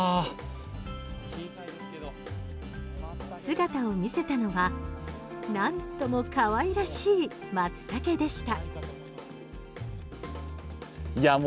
姿を見せたのはなんとも可愛らしいマツタケでした。